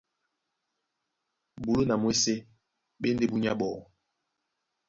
Bulú na mwésé ɓá e ndé búnyá ɓɔɔ́.